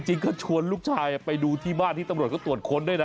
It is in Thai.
จริงก็ชวนลูกชายไปดูที่บ้านที่ตำรวจก็ตรวจค้นด้วยนะ